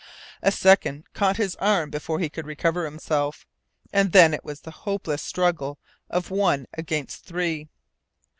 A second caught his arm before he could recover himself and then it was the hopeless struggle of one against three.